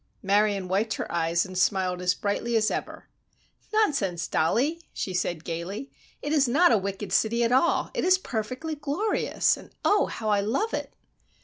Marion wiped her eyes and smiled as brightly as ever. "Nonsense, Dollie!" she said, gayly. "It is not a wicked city at all! It is perfectly glorious! And oh, how I love it!"